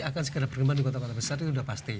akan segera berkembang di kota kota besar itu sudah pasti